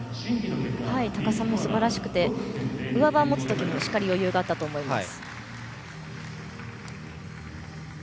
高さもすばらしくて上バーを持つ時も余裕があったと思います。